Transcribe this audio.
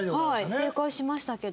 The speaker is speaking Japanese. はい正解しましたけど。